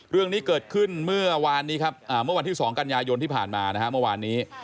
เรื่องนี้เกิดขึ้นเมื่อวานที่๒กรรยายลที่ผ่านมานะฮะเมื่อวานนี้